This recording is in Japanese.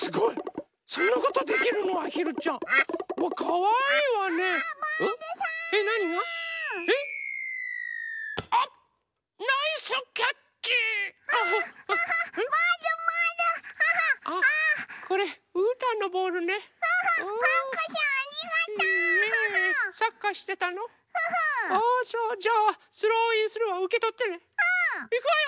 いくわよ。